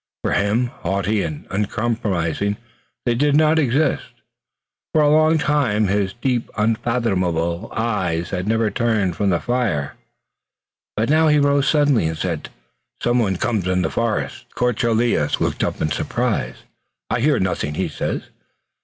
For him, haughty and uncompromising, they did not exist. For a long time his deep unfathomable eyes had never turned from the fire, but now he rose suddenly and said: "Someone comes in the forest!" De Courcelles looked up in surprise. "I hear nothing," he said.